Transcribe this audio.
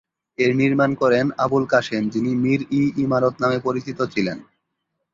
এর নির্মাণ করেন আবুল কাসেম যিনি মীর-ই-ইমারত নামে পরিচিত ছিলেন।